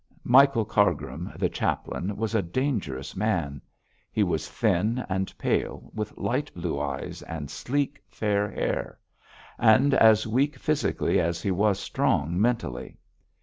Michael Cargrim, the chaplain, was a dangerous man. He was thin and pale, with light blue eyes and sleek fair hair; and as weak physically as he was strong mentally.